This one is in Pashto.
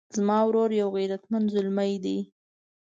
زما ورور یو غیرتمند زلمی ده